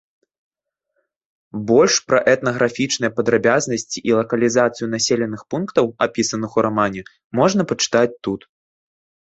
Больш пра этнаграфічныя падрабязнасці і лакалізацыю населеных пунктаў, апісаных у рамане, можна пачытаць тут.